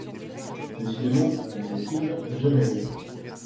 Décidément, pensa-t-il, j’ai rêvé.